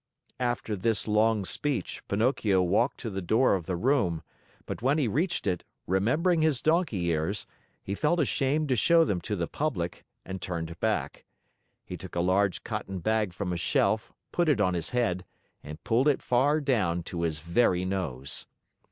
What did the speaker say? After this long speech, Pinocchio walked to the door of the room. But when he reached it, remembering his donkey ears, he felt ashamed to show them to the public and turned back. He took a large cotton bag from a shelf, put it on his head, and pulled it far down to his very nose.